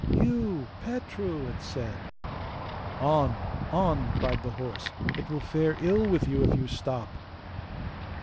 'You, Petru!' it said. 'On! on!' cried the horse; 'it will fare ill with you if you stop.